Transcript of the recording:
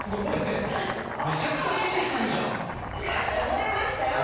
覚えましたよ